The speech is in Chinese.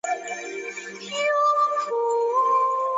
胡佛村是大萧条期间美国无家可归者修建的棚户区。